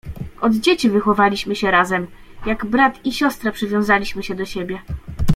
"Od dzieci wychowaliśmy się razem, jak brat i siostra przywiązaliśmy się do siebie."